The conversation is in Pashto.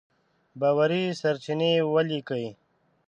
باوري سرچينې وليکئ!.